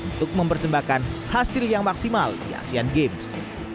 untuk mempersembahkan hasil yang maksimal di asean games